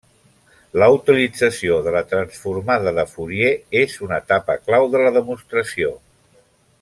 La utilització de la transformada de Fourier és una etapa clau de la demostració.